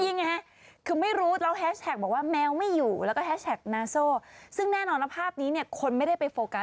ยังไงคือไม่รู้เราบอกว่าแมวไม่อยู่แล้วก็ซึ่งแน่นอนว่า